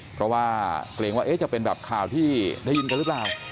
เพราะว่าเกรงว่าจะเป็นแบบข่าวที่ได้ยินกันหรือเปล่า